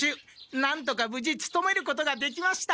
何とかぶじつとめることができました！